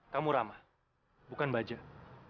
kamu rama bukan bajak